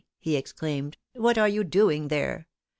he exclaimed, 'What are you doing there?